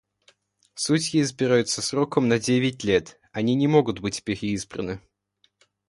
Судьи избираются сроком на девять лет. Они не могут быть переизбраны.